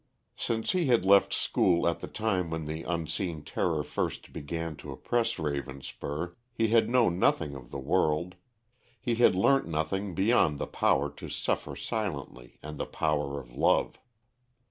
Since he had left school at the time when the unseen terror first began to oppress Ravenspur, he had known nothing of the world; he had learnt nothing beyond the power to suffer silently and the power of love.